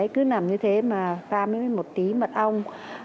cứ nằm như thế mà pha với một tí mật ong